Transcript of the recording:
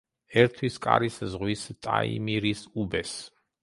ერთვის კარის ზღვის ტაიმირის უბეს.